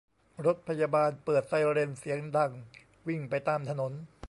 รถพยาบาลเปิดไซเรนเสียงดังวิ่งไปตามถนน